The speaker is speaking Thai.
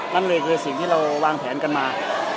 นั่นเลยคือสิ่งที่เราวางแผนกันมา